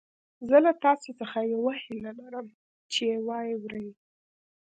زه له تاسو څخه يوه هيله لرم چې يې واورئ.